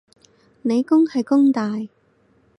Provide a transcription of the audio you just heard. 理工係弓大